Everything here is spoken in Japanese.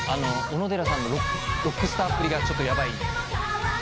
小野寺さんのロックスターっぷりがちょっとヤバい。